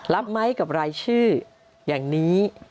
รับไหมกับรายชื่ออย่างนี้